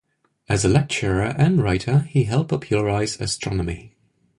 As a lecturer and writer he helped popularise astronomy.